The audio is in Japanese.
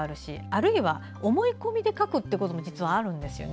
あるいは思い込みで書くということも実はあるんです。